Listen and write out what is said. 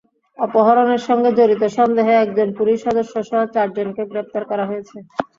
অপহরণের সঙ্গে জড়িত সন্দেহে একজন পুলিশ সদস্যসহ চারজনকে গ্রেপ্তার করা হয়েছে।